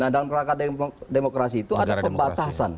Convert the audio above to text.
nah dalam rangka demokrasi itu ada pembatasan